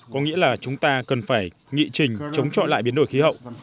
có nghĩa là chúng ta cần phải nghị trình chống chọi lại biến đổi khí hậu